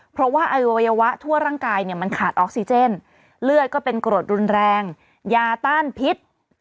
เพราะว่าอวัยวะทั่วร่างกายเนี่ยมันขาดออกซิเจนเลือดก็เป็นโกรธรุนแรงยาต้านพิษ